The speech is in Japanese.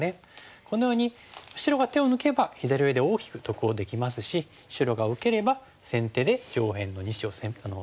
このように白が手を抜けば左上で大きく得をできますし白が受ければ先手で上辺の２子を攻めることができるということで。